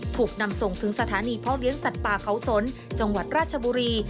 ถูกนำส่งถึงสถานีพ่อเลี้ยงสัตว์ป่าเขาสนจังหวัดราชบุรี